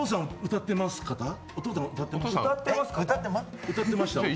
歌ってました？